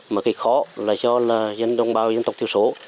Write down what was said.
một cái khó là do dân đồng bào dân tộc thiếu số